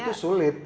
dan itu sulit